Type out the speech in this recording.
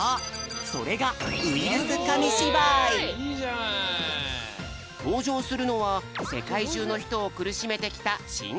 それがとうじょうするのはせかいじゅうのひとをくるしめてきたしんがたコロナ。